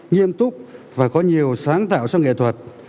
nghiêm túc và có nhiều sáng tạo trong nghệ thuật